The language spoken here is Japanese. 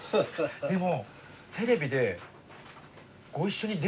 でも。